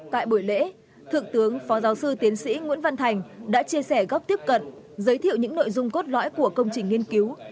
tại buổi lễ thượng tướng phó giáo sư tiến sĩ nguyễn văn thành đã chia sẻ góc tiếp cận giới thiệu những nội dung cốt lõi của công trình nghiên cứu